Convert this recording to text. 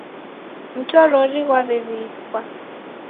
Mtorori ghwaw'ew'ikwa.